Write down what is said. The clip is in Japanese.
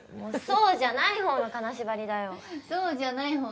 そうじゃない方の金縛りって？